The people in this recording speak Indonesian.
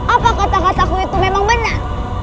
apa kata kata aku itu memang benar